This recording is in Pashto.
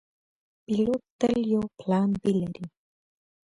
پیلوټ تل یو پلان “B” لري.